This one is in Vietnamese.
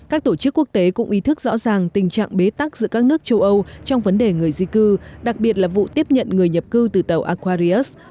các tổ chức quốc tế cũng ý thức rõ ràng tình trạng bế tắc giữa các nước châu âu trong vấn đề người di cư đặc biệt là vụ tiếp nhận người nhập cư từ tàu aquarius